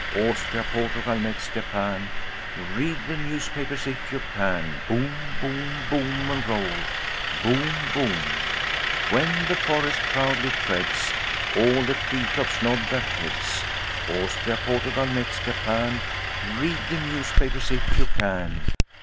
Austria, Portugal, Metz, Japan, Read the newspapers, if you can. Boom, boom, boom, and roll. Boom, boom. When he the forest proudly treads, All the tree tops nod their heads. Austria, Portugal, Metz, Japan, Read the newspapers, if you can.